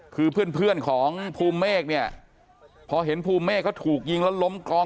คือเพื่อนของภูมิเมฆเนี่ยพอเห็นภูเมฆเขาถูกยิงแล้วล้มกอง